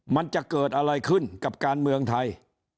มันจะเกิดอะไรขึ้นกับการเมืองไทย